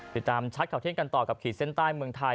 ติดตามชัดข่าวเที่ยงกันต่อกับขีดเส้นใต้เมืองไทย